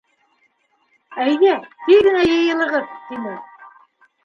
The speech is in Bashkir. — Әйҙә, тиҙ генә йыйылығыҙ! — тине.